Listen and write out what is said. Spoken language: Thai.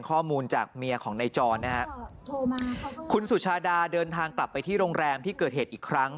ข้อมูลจากเมียของนายจรนะฮะโทรมาคุณสุชาดาเดินทางกลับไปที่โรงแรมที่เกิดเหตุอีกครั้ง